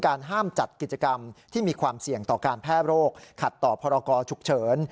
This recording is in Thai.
ห้ามจัดกิจกรรมที่มีความเสี่ยงต่อการแพร่โรคขัดต่อพรกรฉุกเฉิน